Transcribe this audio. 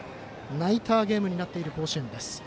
ナイターゲームになっている甲子園です。